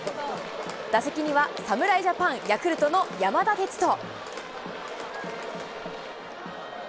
打席には侍ジャパン、ヤクルトの山田哲人。